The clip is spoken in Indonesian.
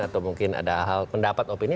atau mungkin ada hal pendapat opini